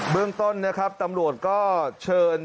เรื่องต้นนะครับตำรวจก็เชิญ